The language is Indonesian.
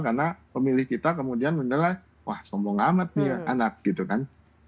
karena pemilih kita kemudian menilai wah sombong amat nih anak gitu kan